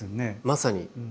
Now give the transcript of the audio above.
まさに。